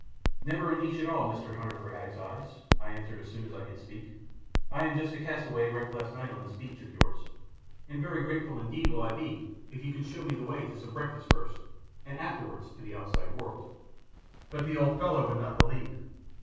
"Never a niche at all, Mr. Hunter for Haddocks' Eyes," I answered as soon as I could speak. "I am just a castaway wrecked last night on this shore of yours, and very grateful indeed will I be if you can show me the way to some breakfast first, and afterwards to the outside world." But the old fellow would not believe.